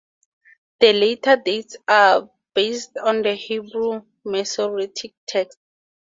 The later dates are based on the Hebrew Masoretic text.